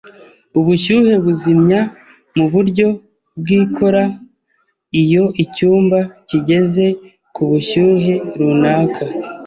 Ubushyuhe buzimya mu buryo bwikora iyo icyumba kigeze ku bushyuhe runaka.